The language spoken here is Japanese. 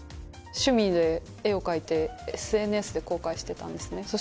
趣味で絵を描いてＳＮＳで公開してたんですね。